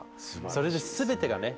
それで全てがね